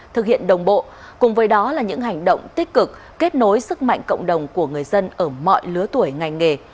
thực hiện đồng bộ cùng với đó là những hành động tích cực kết nối sức mạnh cộng đồng của người dân ở mọi lứa tuổi ngành nghề